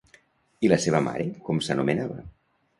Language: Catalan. I la seva mare com s'anomenava?